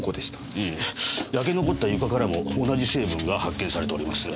焼け残った床からも同じ成分が発見されております。